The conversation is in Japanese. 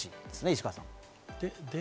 石川さん。